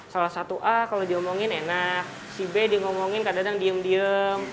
salah satu a kalau diomongin enak si b di ngomongin kadang kadang diem diem